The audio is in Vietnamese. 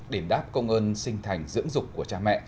đền đáp công ơn sinh thành dưỡng dục của cha mẹ